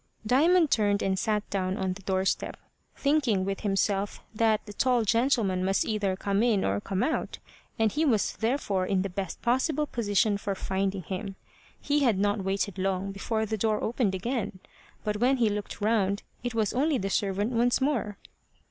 Diamond turned and sat down on the doorstep, thinking with himself that the tall gentleman must either come in or come out, and he was therefore in the best possible position for finding him. He had not waited long before the door opened again; but when he looked round, it was only the servant once more.